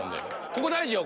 ここ大事よ。